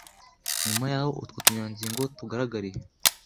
nyuma yaho utwo tunyangingo tugaragariye